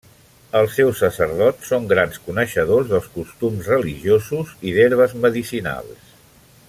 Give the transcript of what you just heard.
Els seus sacerdots són grans coneixedors dels costums religiosos i d'herbes medicinals.